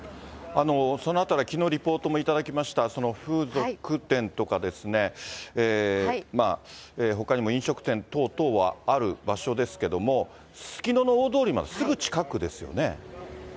その辺り、きのうリポートも頂きました、風俗店とか、ほかにも飲食店等々はある場所ですけども、すすきのの大通りまですぐ近くですよね。